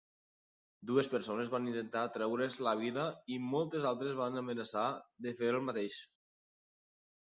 Dues persones van intentar treure's la vida i moltes altres van amenaçar de fer el mateix.